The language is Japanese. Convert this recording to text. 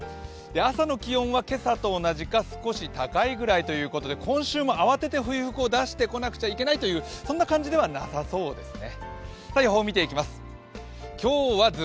朝の気温は今朝と同じか少し高いぐらいということで今週も慌てて冬服を出してこなくちゃいけないそんな感じではなさそうですね。